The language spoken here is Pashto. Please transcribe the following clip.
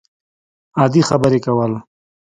عادي خبرې کول